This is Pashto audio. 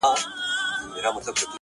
ستا له خیبر سره ټکراو ستا حماقت ګڼمه.